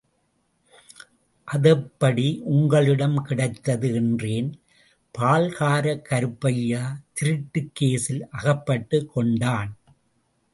அதெப்படி உங்களிடம் கிடைத்தது? என்றேன், பால்கார கருப்பையா திருட்டுக் கேசில் அகப்பட்டுக் கொண்டான்.